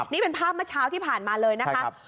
นี่เป็นภาพเมื่อเช้าที่ผ่านมาเลยนะคะ